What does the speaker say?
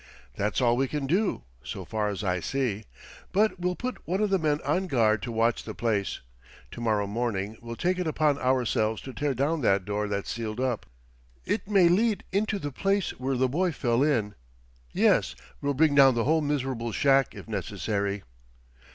"That's all we can do, so far as I see. But we'll put one of the men on guard to watch the place. To morrow morning we'll take it upon ourselves to tear down that door that's sealed up. It may lead into the place where the boy fell in. Yes; we'll bring down the whole miserable shack if necessary."